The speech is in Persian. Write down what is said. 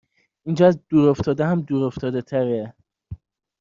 اینجااز دور افتاده هم دور افتاده تره